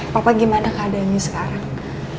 papa gimana keadaannya sekarang